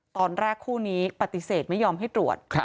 คู่นี้ปฏิเสธไม่ยอมให้ตรวจ